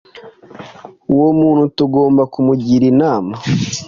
Uwo muntu tugomba kumugira inama.